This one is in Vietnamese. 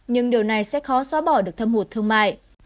nhưng điều này sẽ khó xóa bỏ được thâm hụt thương mại